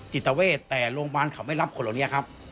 จิตเวทแต่โรงพยาบาลเขาไม่รับคนเหล่านี้ครับ